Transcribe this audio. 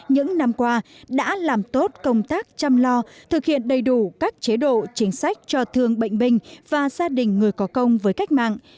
những năm qua đã làm tốt công tác chăm lo thực hiện đầy đủ các chế độ chính sách cho thương bệnh binh và gia đình người có công với cách mạng